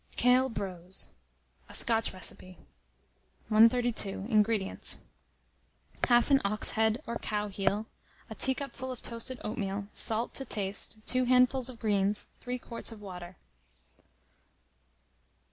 KALE BROSE (a Scotch Recipe). 132. INGREDIENTS. Half an ox head or cow heel, a teacupful of toasted oatmeal, salt to taste, 2 handfuls of greens, 3 quarts of water.